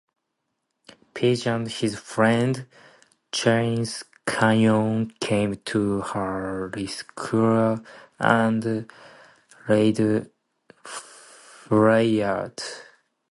Page and his friend Chris Kanyon came to her rescue and laid Flair out.